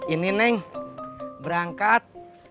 ini neng berangkat